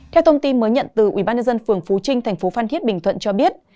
theo thông tin mới nhận từ ubnd phường phú trinh tp phan thiết bình thuận cho biết